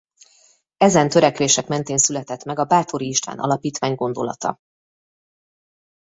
Ezen törekvések mentén született meg a Báthory István Alapítvány gondolata.